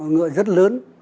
ngựa rất lớn